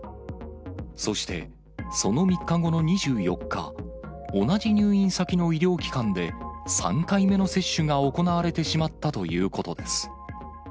そして、その３日後の２４日、同じ入院先の医療機関で、３回目の接種が行われてしまったということです。